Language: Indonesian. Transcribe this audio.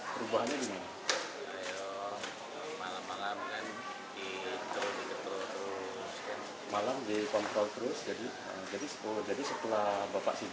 ada perubahan perubahan ini